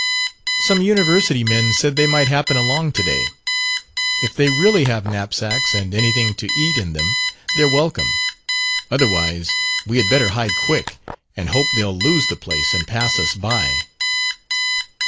"Some university men said they might happen along to day. If they really have knapsacks, and anything to eat in them, they're welcome. Otherwise, we had better hide quick and hope they'll lose the place and pass us by."